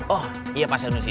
oh iya pak sanusi